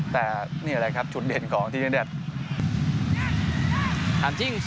แต่นี่ใช่เลยครับชนเด่นของทีเดชจากแดน